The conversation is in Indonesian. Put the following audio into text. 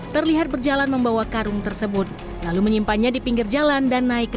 terlihat berjalan membawa karung tersebut lalu menyimpannya di pinggir jalan dan naik ke